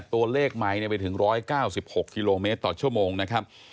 ตัวเลขใหม่ไปถึง๑๙๖กิโลเมตรต่อชั่วโมงนะครับ